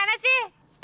aduh laura mana sih